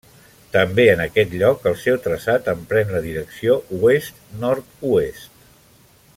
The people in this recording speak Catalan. També en aquest lloc el seu traçat emprèn la direcció oest-nord-oest.